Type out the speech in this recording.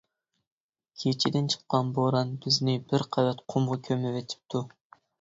كېچىدىن چىققان بوران بىزنى بىر قەۋەت قۇمغا كۆمۈۋېتىپتۇ.